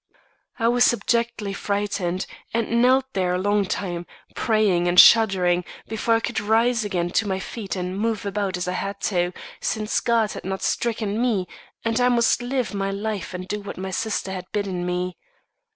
I was abjectly frightened, and knelt there a long time, praying and shuddering, before I could rise again to my feet and move about as I had to, since God had not stricken me and I must live my life and do what my sister had bidden me.